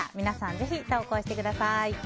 ぜひ投稿してください。